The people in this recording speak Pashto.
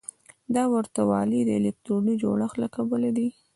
دا ورته والی د الکتروني جوړښت له کبله دی.